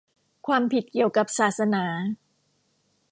ความผิดเกี่ยวกับศาสนา